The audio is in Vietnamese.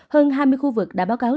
hơn hai mươi khu vực đã báo cáo